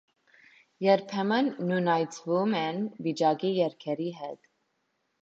Երբեմն նույնացվում են վիճակի երգերի հետ։